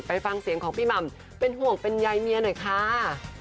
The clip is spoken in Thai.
ไปฟังเสียงของพี่หม่ำเป็นห่วงเป็นใยเมียหน่อยค่ะ